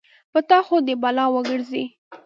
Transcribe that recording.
په تا خو دې يې بلا وګرځې.